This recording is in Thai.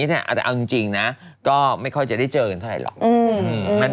แต่เอาจริงนะก็ไม่ค่อยจะได้เจอกันเท่าไหร่